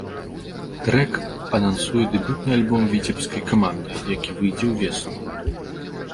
Трэк анансуе дэбютны альбом віцебскай каманды, які выйдзе ўвесну.